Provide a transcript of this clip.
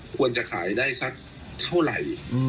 ควรจะขายได้สักเท่าไหร่